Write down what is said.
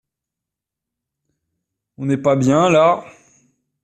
On n’est pas bien, là?